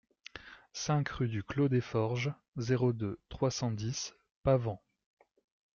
cinq rue du Clos des Forges, zéro deux, trois cent dix, Pavant